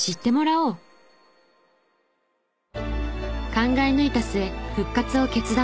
考え抜いた末復活を決断。